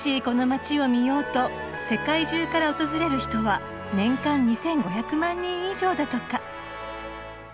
この街を見ようと世界中から訪れる人は年間２，５００万人以上だとか。